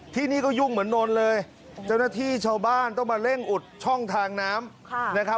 ที่นี่ก็ยุ่งเหมือนนนท์เลยเจ้าหน้าที่ชาวบ้านต้องมาเร่งอุดช่องทางน้ำนะครับ